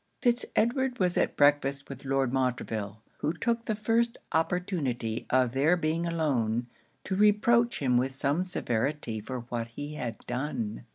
Fitz Edward was at breakfast with Lord Montreville; who took the first opportunity of their being alone, to reproach him with some severity for what he had done.